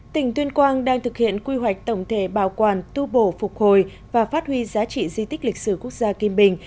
tỉnh tuyên quang đang thực hiện quy hoạch tổng thể bảo quản tu bổ phục hồi và phát huy giá trị di tích lịch sử quốc gia kim bình